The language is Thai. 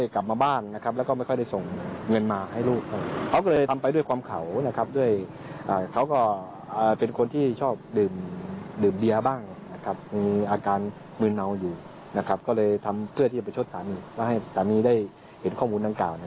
ก็เลยทำเพื่อที่จะไปชดสามีแล้วให้สามีได้เห็นข้อมูลดังกล่าว